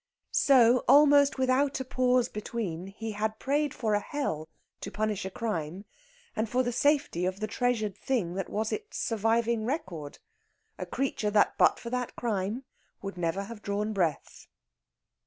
So, almost without a pause between, he had prayed for a hell to punish a crime, and for the safety of the treasured thing that was its surviving record a creature that but for that crime would never have drawn breath.